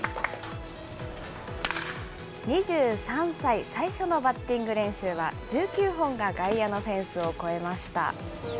２３歳最初のバッティング練習は、１９本が外野のフェンスを越えました。